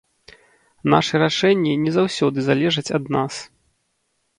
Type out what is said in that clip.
Нашы рашэнні не заўсёды залежаць ад нас.